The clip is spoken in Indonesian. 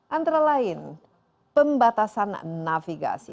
antara lain pembatasan navigasi